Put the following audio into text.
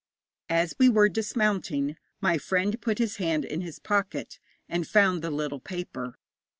As we were dismounting, my friend put his hand in his pocket, and found the little paper.